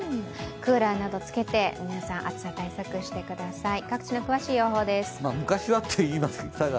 クーラーなどつけて皆さん暑さ対策してください。